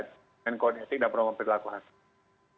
dengan kodetik dan perumahan perilaku hakim